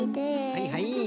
はいはい。